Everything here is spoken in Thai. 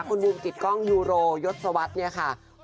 คุณมุมกิตกล้องยูโรยศวัสตร์เนี่ยค่ะ